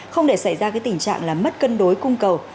không để xảy ra tình trạng là mất cân đối cung cầu